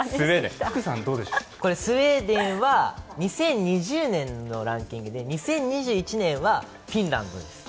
これ、スウェーデンは２０２０年のランキングで２０２１年はフィンランドです。